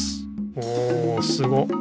おおすごっ！